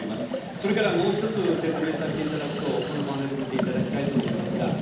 それからもう一つ、説明させていただくと、このパネル見ていただきたい思いますが。